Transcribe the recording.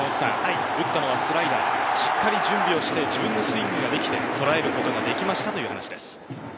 打ったのはスライダー、しっかりと準備して自分のスイングでとらえることができましたという話です。